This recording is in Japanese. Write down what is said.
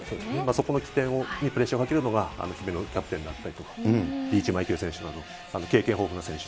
そこの起点にプレッシャーをかけるのが姫野キャプテンだったりとかリーチマイケル選手など、経験豊富な選手。